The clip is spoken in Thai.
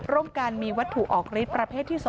ร่วมกันมีวัตถุออกฤทธิประเภทที่๒